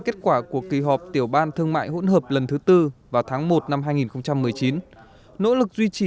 kết quả của kỳ họp tiểu ban thương mại hỗn hợp lần thứ tư vào tháng một năm hai nghìn một mươi chín nỗ lực duy trì